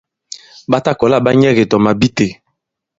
Ɓa ta kɔla ɓa nyɛ ki tɔ màbi itē.